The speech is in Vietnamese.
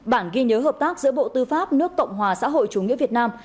một mươi bốn bản ghi nhớ hợp tác giữa bộ tư pháp nước cộng hòa xã hội chủ nghĩa việt nam